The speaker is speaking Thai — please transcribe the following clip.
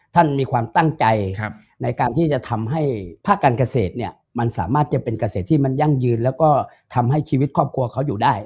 ท่านมีความตั้งใจในการที่จะทำให้ภาคการเกษตรเนี่ยมันสามารถจะเป็นเกษตรที่มันยั่งยืนแล้วก็ทำให้ชีวิตครอบครัวเขาอยู่ได้